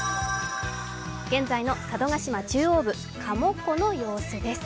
現在の佐渡島中央部加茂湖の様子です。